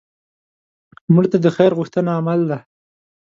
مړه ته د خیر غوښتنه عمل دی